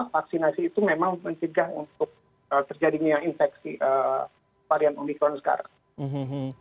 vaksinasi itu memang mencegah untuk terjadinya infeksi varian omikron sekarang